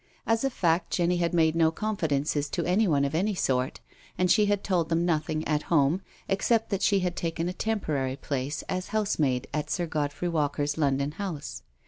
As a fact Jenny had made no confidences to anyone of any sort, and she had told them nothing at home, except that she had taken a temporary place as housemaid ' at Sir Godfrey Walker's London house.